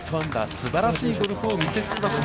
すばらしいゴルフを見せつけました。